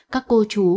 các cô chú